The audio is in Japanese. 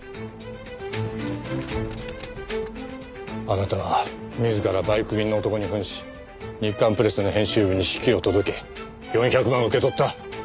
あなたは自らバイク便の男に扮し『日刊プレス』の編集部に手記を届け４００万受け取った。